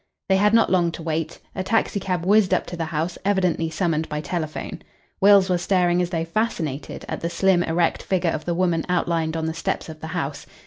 They had not long to wait. A taxicab whizzed up to the house, evidently summoned by telephone. Wills was staring as though fascinated at the slim, erect figure of the woman outlined on the steps of the house.